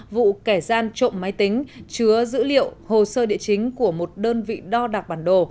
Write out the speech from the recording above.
vụ kẻ gian trộm máy tính chứa dữ liệu hồ sơ địa chính của một đơn vị đo đạc bản đồ